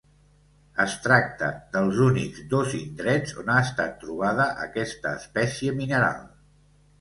Es tracta dels únics dos indrets on ha estat trobada aquesta espècie mineral.